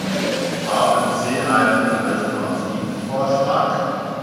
Haben Sie einen Alternativorschlag?